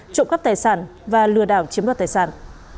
trộm cắp tài sản và lừa đảo chiếm đoạt tài sản